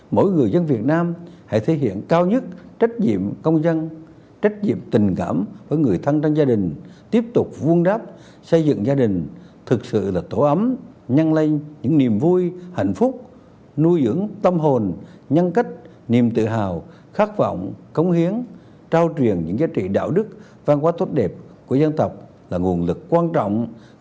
mỗi người dân việt nam hãy thể hiện cao nhất trách nhiệm công dân trách nhiệm tình cảm với người thân trong gia đình tiếp tục vuông đáp xây dựng gia đình thực sự là tổ ấm nhăn lây những niềm vui hạnh phúc nuôi dưỡng tâm hồn nhân cách niềm tự hào khát vọng cống hiến trao truyền những giá trị đạo đức văn hóa tốt đẹp của dân tộc là nguồn lực quan trọng góp phần chây dựng gia đình